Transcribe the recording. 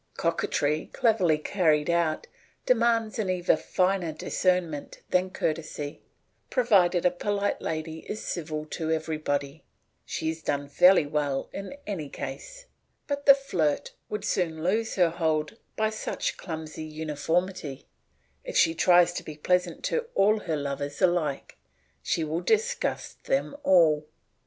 Coquetry, cleverly carried out, demands an even finer discernment than courtesy; provided a polite lady is civil to everybody, she has done fairly well in any case; but the flirt would soon lose her hold by such clumsy uniformity; if she tries to be pleasant to all her lovers alike, she will disgust them all.